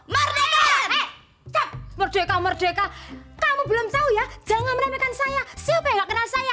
merdeka merdeka merdeka kamu belum tahu ya jangan melemetkan saya siapa yang kenal saya